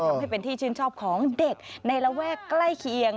ทำให้เป็นที่ชื่นชอบของเด็กในระแวกใกล้เคียง